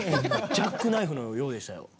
ジャックナイフのようでしたよ。